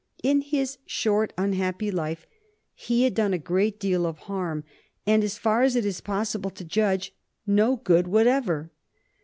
In his short, unhappy life he had done a great deal of harm, and, as far as it is possible to judge, no good whatever.